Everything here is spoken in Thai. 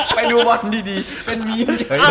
ไปดูวันดีเป็นมีม